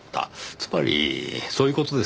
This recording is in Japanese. つまりそういう事ですかね？